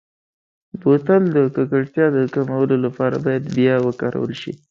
بوتل د ککړتیا د کمولو لپاره باید بیا وکارول شي.